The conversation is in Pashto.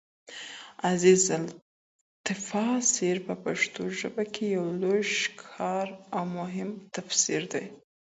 عزيز التفا سير په پښتو ژبه کي يو لوى شهکار اومهم تفسير دی